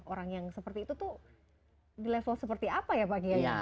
orang yang seperti itu tuh di level seperti apa ya pak kiai